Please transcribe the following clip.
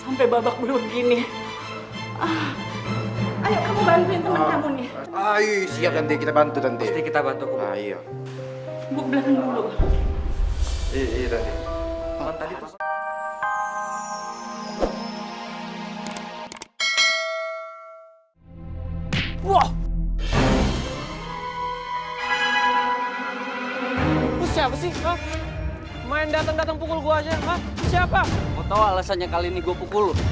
mau tau alasannya kali ini gue pukul lu